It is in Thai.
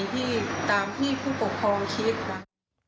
ที่ตามที่ผู้ปกครองคิดค่ะ